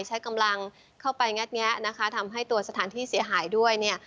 ใช้กำลังเข้าไปแง๊ดแง๊ะทำให้ตัวสถานที่เสียหายด้วย